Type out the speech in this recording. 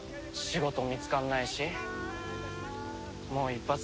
仕事見つかんないしもう一発